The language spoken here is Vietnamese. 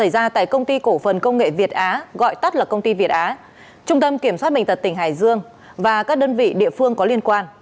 khi cổ phần công nghệ việt á gọi tắt là công ty việt á trung tâm kiểm soát bình tật tỉnh hải dương và các đơn vị địa phương có liên quan